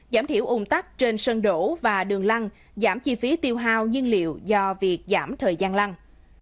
giảm thiểu ủng tắc trên sân đổ và đường lăng giảm chi phí tiêu hao nhiên liệu do việc giảm thời gian lăng